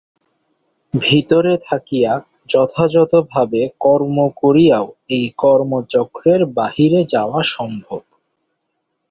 ভিতরে থাকিয়া যথাযথভাবে কর্ম করিয়াও এই কর্মচক্রের বাহিরে যাওয়া সম্ভব।